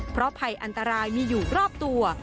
เพราะภัยอันตรายมีอยู่รอบตัว